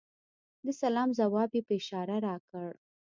د سلام ځواب یې په اشاره راکړ .